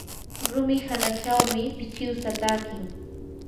rumi hanachawmi pichiwsa takin.